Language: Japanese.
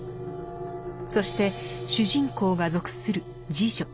そして主人公が属する「侍女」。